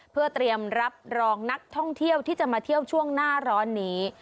เพื่อเตรียมรับรองนักท่องเที่ยวที่จะมาเที่ยวช่วงหน้าร้อนนี้